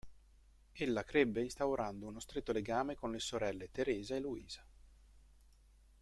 Ella crebbe instaurando uno stretto legame con le sorelle Teresa e Luisa.